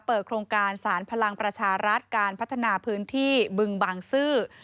โครงการสารพลังประชารัฐการพัฒนาพื้นที่บึงบางซื่อ